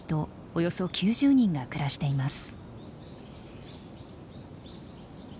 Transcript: およそ９０人が暮らしています。